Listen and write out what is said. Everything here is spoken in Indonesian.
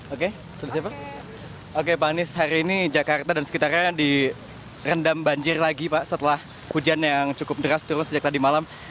oke pak anies hari ini jakarta dan sekitarnya direndam banjir lagi pak setelah hujan yang cukup deras terus sejak tadi malam